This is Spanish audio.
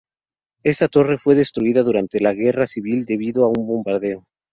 Esta Torre fue destruida durante la Guerra Civil debido a un bombardeo.